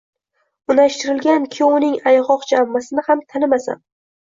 Unashtirilgan kuyovining ayg`oqchi ammasini ham tanimasam